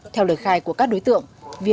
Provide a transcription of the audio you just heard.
theo lời khai của các đối tượng